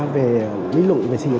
về lý luận về sinh hoạt đảng